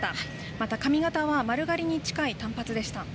また髪形は丸刈りに近い短髪でした。